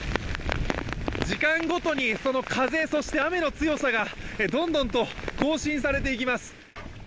時間ごとにその風、そして雨の強さがどんどんと更新されていきます。